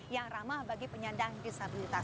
yang ramah bagi penyandang disabilitas